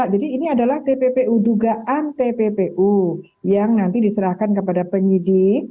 jadi ini adalah pppu dugaan pppu yang nanti diserahkan kepada penyidik